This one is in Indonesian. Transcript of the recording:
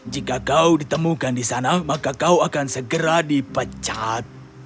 jika kau ditemukan di sana maka kau akan segera dipecat